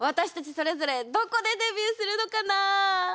それぞれどこでデビューするのかな？